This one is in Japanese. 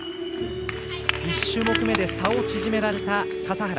１種目めで差を縮められた笠原。